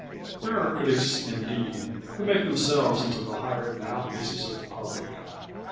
There are critics, indeed, who make themselves into the hired mouthpieces of the public.